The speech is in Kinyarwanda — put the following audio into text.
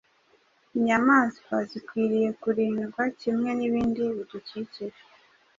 Inyamaswa zikwiriye kurindwa kimwe n’ibindi bidukikije